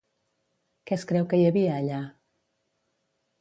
Què es creu que hi havia, allà?